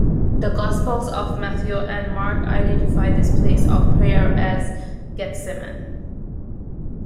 The gospels of Matthew and Mark identify this place of prayer as Gethsemane.